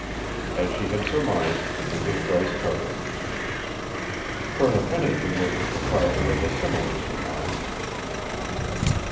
As she had surmised, it was Bryce Cardigan's. Colonel Pennington was the proprietor of a similar surmise.